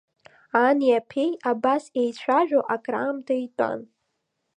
Ани аԥеи, абас, еицәажәо акраамҭа итәан.